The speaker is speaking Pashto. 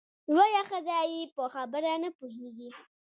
لویه ښځه یې په خبره نه پوهېږې !